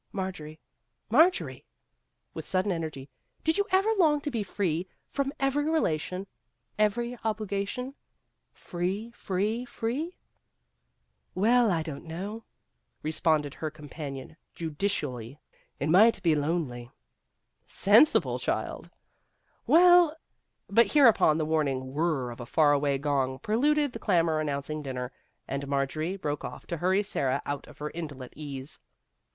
Marjorie, Marjorie !" with sudden energy, " did you ever long to be free from every relation every obligation free, free, free ?"" Well, I don't know," responded her companion judicially ;" it might be lonely." " Sensible child !"" Well," but hereupon the warning whir r r of a far away gong preluded the clamor announcing dinner, and Marjorie broke off to hurry Sara out of her indolent ease.